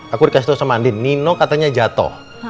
aku dikasih tau sama andin nino katanya jatoh